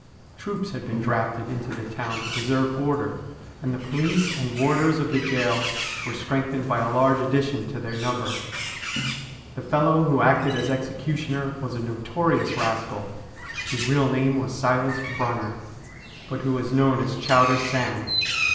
Troops had been drafted into the town to preserve order, and the police and warders of the gaol were strengthened by a large addition to their number. The fellow who acted as executioner was a notorious rascal, whose real name was Silas Bronner, but who was known as ' Chowder Sam.'